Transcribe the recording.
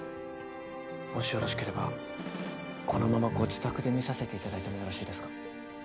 もしよろしければこのままご自宅で診させていただいてもよろしいですか？